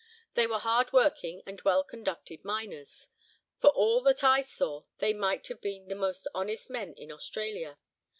They were hardworking, and well conducted miners. For all that I saw, they might have been the most honest men in Australia.